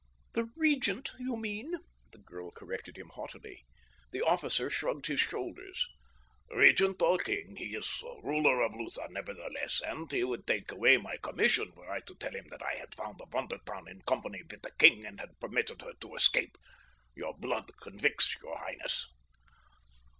"The Regent, you mean?" the girl corrected him haughtily. The officer shrugged his shoulders. "Regent or King, he is ruler of Lutha nevertheless, and he would take away my commission were I to tell him that I had found a Von der Tann in company with the king and had permitted her to escape. Your blood convicts your highness."